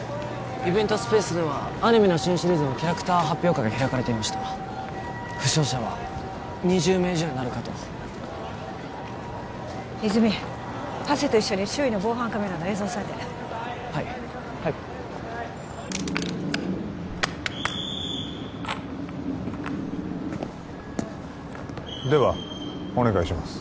イベントスペースではアニメの新シリーズのキャラクター発表会が開かれていました負傷者は２０名以上になるかと泉ハセと一緒に周囲の防犯カメラの映像おさえてはいはいではお願いします